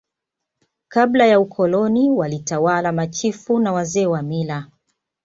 Kabla ya Ukoloni walitawala Machifu na Wazee wa mila